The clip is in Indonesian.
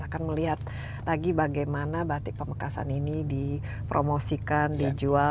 akan melihat lagi bagaimana batik pemekasan ini dipromosikan dijual